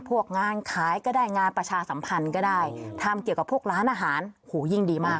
พวกงานขายก็ได้งานประชาสัมพันธ์ก็ได้ทำเกี่ยวกับพวกร้านอาหารหูยิ่งดีมาก